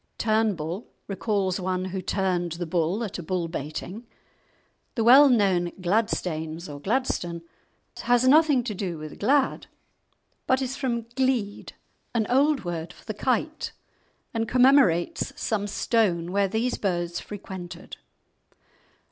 "Turnbull" recalls one who turned the bull at a bull baiting. The well known "Gladstains" or "Gladstone" has nothing to do with "glad," but is from "glede," an old word for the kite, and commemorates some stone where these birds frequented.